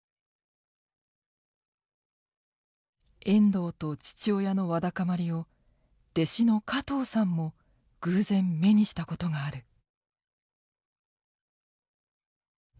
遠藤と父親のわだかまりを弟子の加藤さんも偶然目にしたことがある。